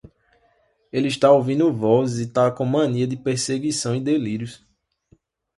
Ele está ouvindo vozes e está com mania de perseguição e delírios